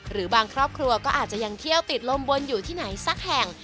หรือบางครอบครัวก็อาจจะยังเที่ยวติดลมบนอยู่ที่ไหนสักแห่ง